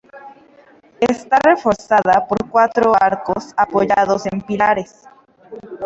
Está reforzada por cuatro arcos apoyados en pilares.